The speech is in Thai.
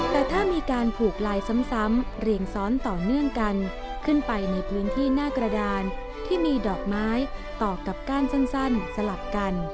แต่ถ้ามีการผูกลายซ้ำเรียงซ้อนต่อเนื่องกันขึ้นไปในพื้นที่หน้ากระดานที่มีดอกไม้ต่อกับก้านสั้นสลับกัน